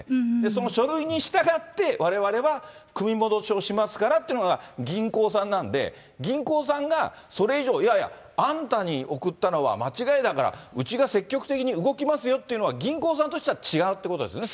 その書類に従って、われわれは組み戻しをしますからっていうのが、銀行さんなんで、銀行さんがそれ以上、いやいや、あんたに送ったのは間違いだから、うちが積極的に動きますよっていうのは、銀行さんとしては違うということですね。